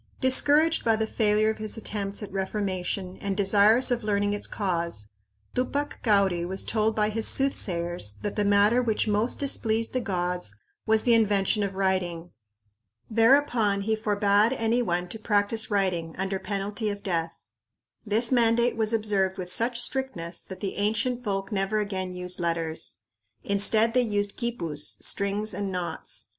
Discouraged by the failure of his attempts at reformation and desirous of learning its cause, Tupac Cauri was told by his soothsayers that the matter which most displeased the gods was the invention of writing. Thereupon he forbade anybody to practice writing, under penalty of death. This mandate was observed with such strictness that the ancient folk never again used letters. Instead, they used quipus, strings and knots.